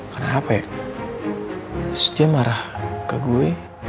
karena apa ya terus dia marah ke gue